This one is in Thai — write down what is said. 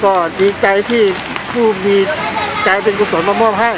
ก็ดีใจที่ผู้มีใจเป็นกุศลมามอบให้